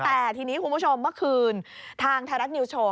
แต่ทีนี้คุณผู้ชมเมื่อคืนทางไทยรัฐนิวโชว